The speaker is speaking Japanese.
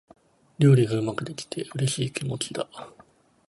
料理がうまくできて、嬉しい気持ちだ。